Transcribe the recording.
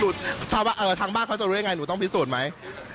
ด้วยไงหนูต้องพิสูจน์ไหม